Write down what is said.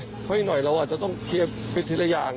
เพราะอีกหน่อยเราอาจจะต้องเคลียร์ไปทีละอย่าง